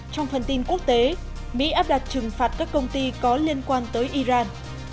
trong phần tin quốc tế mỹ áp đặt trừng phạt các công ty có liên quan tới iran